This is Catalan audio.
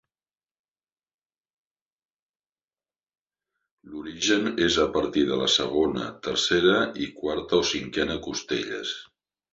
L'origen és a partir de la segona, tercera i quarta o cinquena costelles.